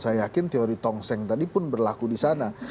saya yakin teori tongseng tadi pun berlaku di sana